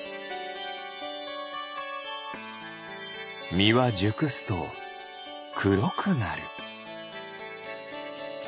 みはじゅくすとくろくなる。